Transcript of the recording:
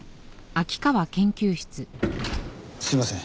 すいません。